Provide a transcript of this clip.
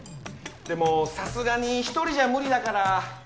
でもさすがに１人じゃ無理だから。